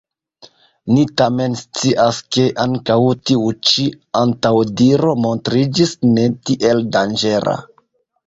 Ni tamen scias, ke ankaŭ tiu ĉi antaŭdiro montriĝis ne tiel danĝera.